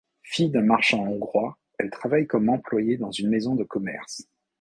Fille d'un marchand hongrois, elle travaille comme employée dans une maison de commerce.